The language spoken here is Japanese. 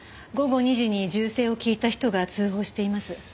午後２時に銃声を聞いた人が通報しています。